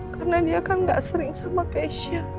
karena dia kan gak sering sama keisha